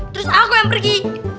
terus aku yang pergi